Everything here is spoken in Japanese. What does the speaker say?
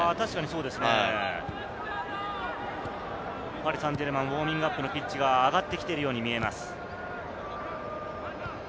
パリ・サンジェルマン、ウオーミングアップのピッチが上がってきているように見えます。